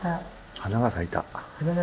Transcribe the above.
花が咲いた。